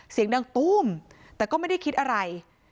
เสียงดังตู้มแต่ก็ไม่ได้คิดอะไร